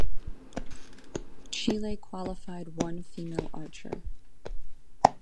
Chile qualified one female archer.